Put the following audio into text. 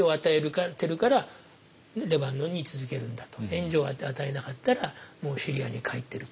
援助を与えなかったらもうシリアに帰ってると。